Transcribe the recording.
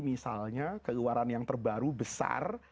misalnya keluaran yang terbaru besar